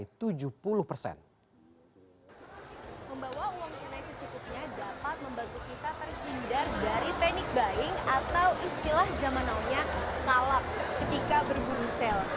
membawa uang yang naik kecukupannya dapat membantu kita tersindar dari panic buying atau istilah zaman awalnya salak ketika berburu sale